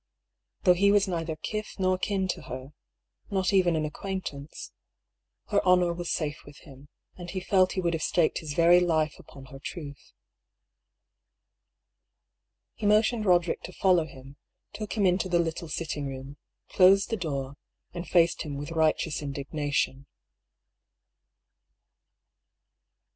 Though he was neither kith nor kin to her — ^not even an acquaintance — ^her honour was safe with him> and he felt he would have staked his very life upon her truth. He motioned Roderick to follow him, took him into the little sitting room, closed the door, and faced him with righteous indignation.